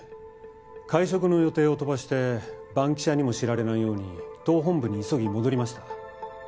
会食の予定を飛ばして番記者にも知られないように党本部に急ぎ戻りました。